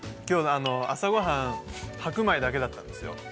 きょうの朝ごはん、白米だけだったんですよ。